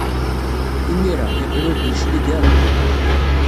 Imir-a, yeqqel ur d-yeclig ara.